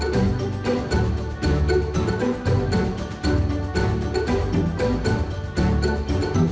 เปิดตัวนะคะคุณน้องมาคุยกันคุณน้อง